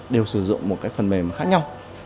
đều sử dụng một cái phần mềm khác nhau